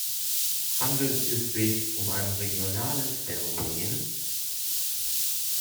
Handelt es sich um ein regionales Phänomen?